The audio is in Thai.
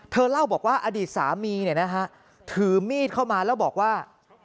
เล่าบอกว่าอดีตสามีเนี่ยนะฮะถือมีดเข้ามาแล้วบอกว่า